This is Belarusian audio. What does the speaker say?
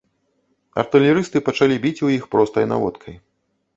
Артылерысты пачалі біць у іх простай наводкай.